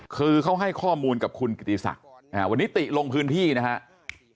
คือเขาให้ข้อมูลกับคุณกิติศักดิ์วันนี้ติลงพื้นที่นะครับ